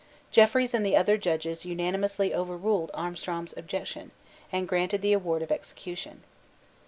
Jeffreys and the other judges unanimously overruled Armstrong's objection, and granted the award of execution.